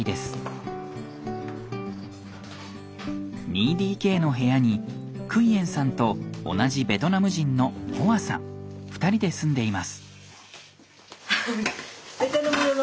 ２ＤＫの部屋にクイエンさんと同じベトナム人のホアさん２人で住んでいます。